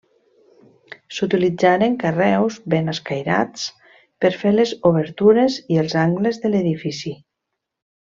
S'utilitzaren carreus ben escairats per fer les obertures i els angles de l'edifici.